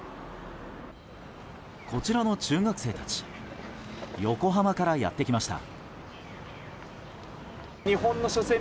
こちらの中学生たち横浜からやってきました。